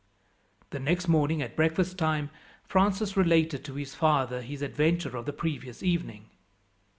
The next morning, at breakfast time, Francis related to his father his adventure of the previous evening.